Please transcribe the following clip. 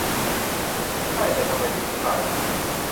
ใช่ แต่ทำไมถึงมีฟางอยู่ดี